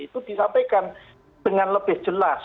itu disampaikan dengan lebih jelas